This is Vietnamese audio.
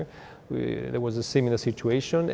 chia sẻ thông tin